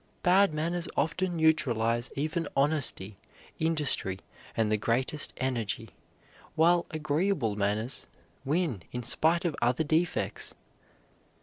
Bad manners often neutralize even honesty, industry, and the greatest energy; while agreeable manners win in spite of other defects.